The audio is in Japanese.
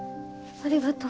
ありがとう。